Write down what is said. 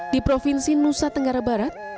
di provinsi nusa tenggara barat